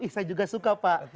saya juga suka pak